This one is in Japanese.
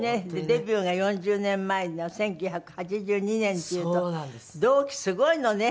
デビューが４０年前の１９８２年っていうと同期すごいのね。